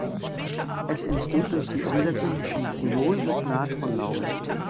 Es entsteht durch die Umsetzung von Phenol mit Natronlauge.